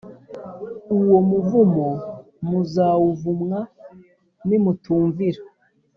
uwo muvumo muzawuvumwa nimutumvira